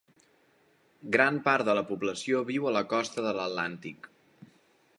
Gran part de la població viu a la costa de l'Atlàntic.